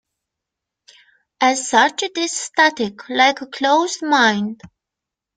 As such it is static, like a closed mind.